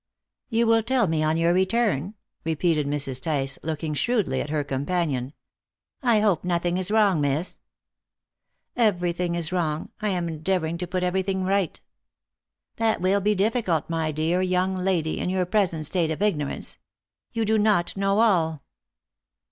"You will tell me on your return?" repeated Mrs. Tice, looking shrewdly at her companion. "I hope nothing is wrong, miss?" "Everything is wrong. I am endeavouring to put everything right." "That will be difficult, my dear young lady, in your present state of ignorance. You do not know all."